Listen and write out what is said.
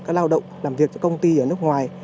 các lao động làm việc cho công ty ở nước ngoài